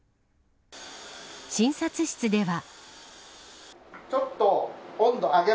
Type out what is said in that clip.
診察室では。